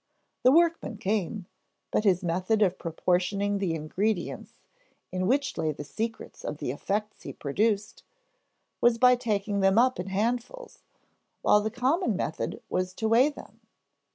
The workman came; but his method of proportioning the ingredients, in which lay the secret of the effects he produced, was by taking them up in handfuls, while the common method was to weigh them.